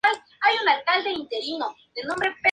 Helicóptero anticarro de la Bundeswehr.